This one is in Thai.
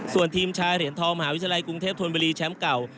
ส่วนทีมชายเหรียญทองมหาวิทยาลัยกรุงเทพธนบุรีแชมป์เก่า